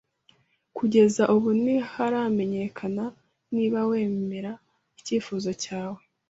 Kugeza ubu ntiharamenyekana niba wemera icyifuzo cyawe.